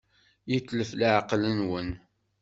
Yetlef leɛqel-nwen.